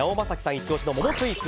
イチ押しの桃スイーツ